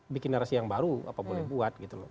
bikin narasi yang baru apa boleh buat gitu loh